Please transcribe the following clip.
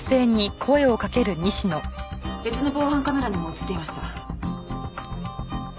別の防犯カメラにも映っていました。